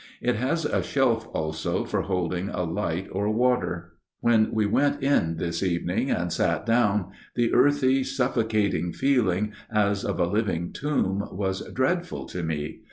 It has a shelf also, for holding a light or water. When we went in this evening and sat down, the earthy, suffocating feeling, as of a living tomb, was dreadful to me.